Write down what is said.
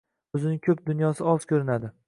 O’zining ko’p dunyosi oz ko’rinadi.